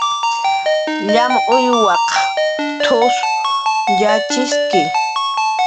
"Llamaq uyuwaq t""usw yatxiski"